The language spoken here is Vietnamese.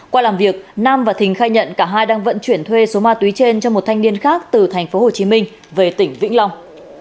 qua làm việc nam và thình khai nhận cả hai đang vận chuyển thuê số ma túy trên cho một thanh niên khác từ tp hcm về tỉnh vĩnh long